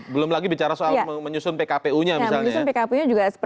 belum lagi bicara soal menyusun pkpu nya misalnya ya